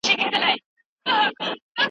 تا د هوښ په کور کي بې له غمه څه لیدلي دي